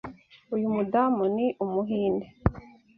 Uyu mudamu ni Umuhinde.